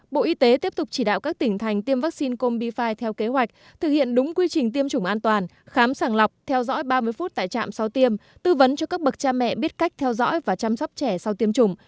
bộ y tế tiếp tục chỉ đạo các tỉnh thành tiêm vaccine com bifi theo kế hoạch thực hiện đúng quy trình tiêm chủng an toàn khám sàng lọc theo dõi ba mươi phút tại trạm sau tiêm tư vấn cho các bậc cha mẹ biết cách theo dõi và chăm sóc trẻ sau tiêm chủng